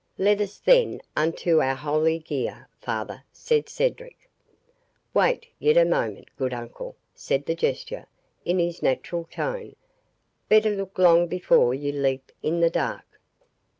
"Let us then unto our holy gear, father," said Cedric. "Wait yet a moment, good uncle," said the Jester, in his natural tone; "better look long before you leap in the dark."